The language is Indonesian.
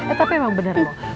eh tapi emang bener loh